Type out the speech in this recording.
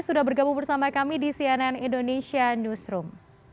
sudah bergabung bersama kami disianan indonesia newsroom